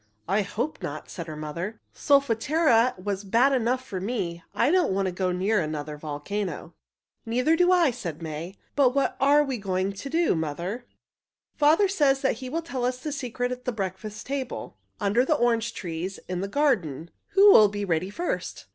"I hope not," said her mother. "Solfatara was bad enough for me. I don't want to go so near to another volcano." "Neither do I," said May. "But what are we going to do, mother?" "Father says he will tell us the secret at the breakfast table, under the orange trees in the garden. Who will be ready first?"